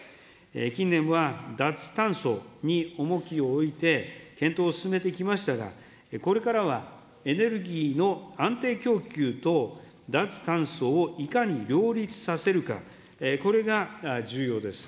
近年は、脱炭素に重きを置いて検討を進めてきましたが、これからはエネルギーの安定供給と脱炭素をいかに両立させるか、これが重要です。